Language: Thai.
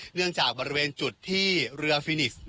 เนื่องจากบริเวณจุดที่เรือฟินิกส์